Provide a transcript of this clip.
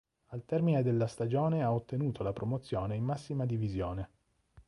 Al termine della stagione ha ottenuto la promozione in massima divisione.